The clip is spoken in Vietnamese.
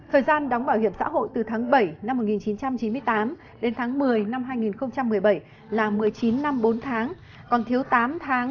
thời gian đóng bảo hiểm xã hội từ tháng bảy năm một nghìn chín trăm chín mươi tám đến tháng một mươi năm hai nghìn một mươi bảy là một mươi chín năm bốn tháng